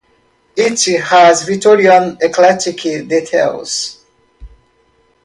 It has Victorian Eclectic details.